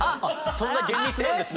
そんな厳密なんですね。